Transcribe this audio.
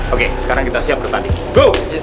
oke sekarang kita siap bertanding